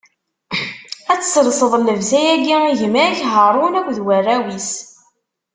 Ad tesselseḍ llebsa-agi i gma-k Haṛun akked warraw-is.